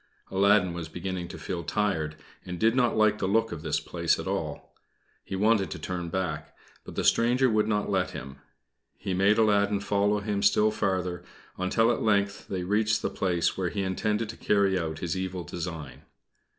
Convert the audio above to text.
Aladdin was beginning to feel tired, and he did not like the look of this place at all. He wanted to turn back; but the stranger would not let him. He made Aladdin follow him still farther, until at length they reached the place where he intended to carry out his evil design.